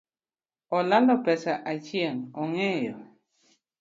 Olalo pesa Achieng ongeyo